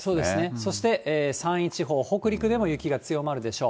そして、山陰地方、北陸でも雪が強まるでしょう。